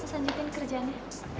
mas anjitin kerjaannya